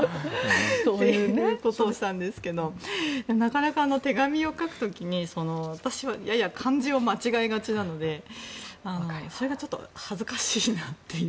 そういうことをしたんですがなかなか手紙を書く時に私は漢字を間違えがちなのでそれがちょっと恥ずかしいなっていう。